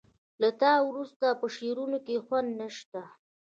له تا وروسته په شعرونو کې خوند نه شته